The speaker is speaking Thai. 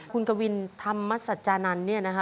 คุณกวินธรรมสัจจานันต์เนี่ยนะคะ